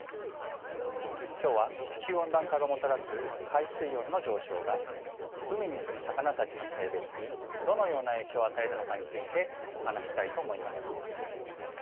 今日は地球温暖化がもたらす海水温の上昇が海に住む魚たちの性別にどのような影響を与えるのかについてお話ししたいと思います。